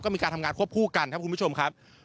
มีการทำงานควบคู่กันครับคุณผู้ชมครับ